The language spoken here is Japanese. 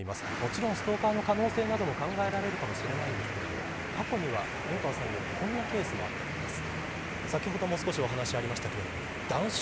もちろんストーカーの可能性も考えられますが過去には援川さんによるとこんなケースもあったといいます。